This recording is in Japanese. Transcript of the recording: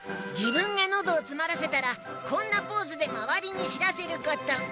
じぶんが喉をつまらせたらこんなポーズでまわりにしらせること。